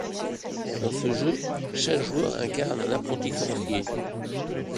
Dans ce jeu, chaque joueur incarne un apprenti sorcier.